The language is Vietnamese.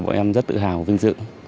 bọn em rất tự hào và vinh dự